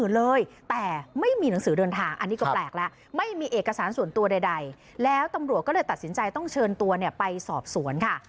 แล้วตำรวจก็เลยตัดสินใจต้องเชิญตัวไปสอบสวนค่ะ